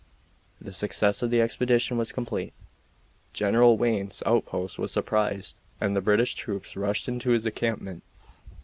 The success of the expedition was complete. General Wayne's outpost was surprised and the British troops rushed into his encampment.